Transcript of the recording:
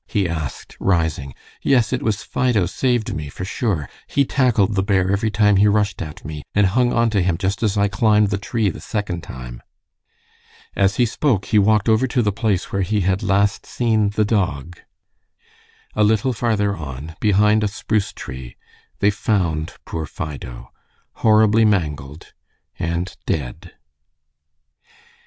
he asked, rising. "Yes, it was Fido saved me, for sure. He tackled the bear every time he rushed at me, and hung onto him just as I climbed the tree the second time." As he spoke he walked over to the place where he had last seen the dog. A little farther on, behind a spruce tree, they found poor Fido, horribly mangled and dead.